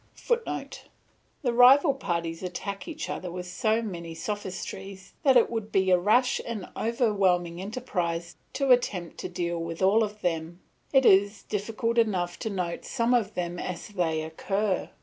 [Footnote: The rival parties attack each other with so many sophistries that it would be a rash and overwhelming enterprise to attempt to deal with all of them; it is difficult enough to note some of them as they occur.